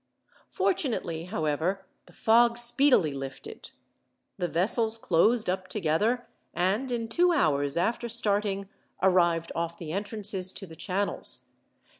Fortunately, however, the fog speedily lifted. The vessels closed up together, and, in two hours after starting, arrived off the entrances to the channels.